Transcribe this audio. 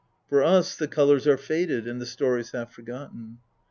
For us the colours are faded, and the stories half forgotten.